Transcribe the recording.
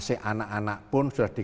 kita harus mengatasi